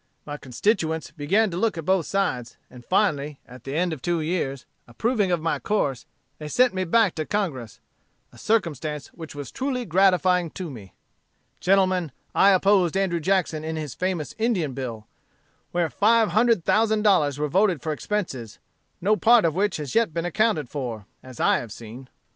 "My constituents began to look at both sides; and finally, at the end of two years, approving of my course, they sent me back to Congress a circumstance which was truly gratifying to me. "Gentlemen, I opposed Andrew Jackson in his famous Indian bill, where five hundred thousand dollars were voted for expenses, no part of which has yet been accounted for, as I have seen.